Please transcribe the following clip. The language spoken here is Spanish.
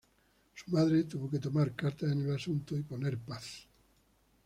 Su madre tuvo que tomar cartas en el asunto y poner paz